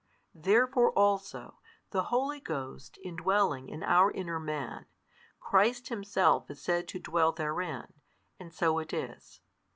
Therefore also, the Holy Ghost indwelling in our inner man, Christ Himself is said to dwell therein, and so it is.